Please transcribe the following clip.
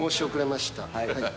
はい。